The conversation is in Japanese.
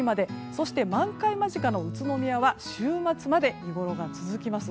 そして満開間近の宇都宮は週末まで、見ごろが続きます。